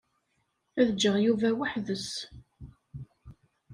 Ad d-ǧǧeɣ Yuba weḥd-s.